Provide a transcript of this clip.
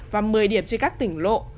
và một mươi điểm trên các tỉnh lộ